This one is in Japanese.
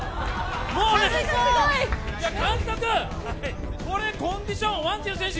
もうね、監督、コンディション、ワンジル選手